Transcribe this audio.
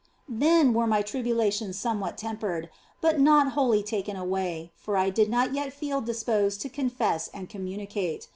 Then were my tribulations somewhat tempered, but not wholly taken away, for I did not yet feel disposed to confess and communicate.